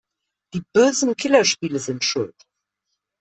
Die bösen Killerspiele sind schuld!